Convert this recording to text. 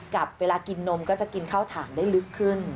กับเวลากินนมก็จะกินข้าวฐานได้ลึกขึ้น